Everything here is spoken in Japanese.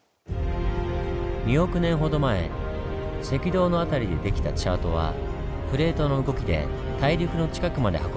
２億年ほど前赤道の辺りでできたチャートはプレートの動きで大陸の近くまで運ばれました。